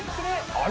あれ？